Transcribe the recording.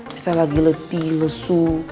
beta lagi letih lesu